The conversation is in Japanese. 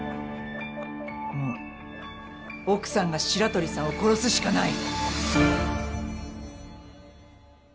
もう奥さんが白鳥さんを殺すしかない。